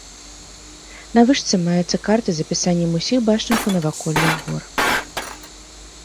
На вышцы маецца карта з апісаннем ўсіх бачных у наваколлях гор.